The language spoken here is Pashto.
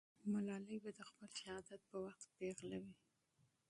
ملالۍ به د خپل شهادت په وخت پېغله وي.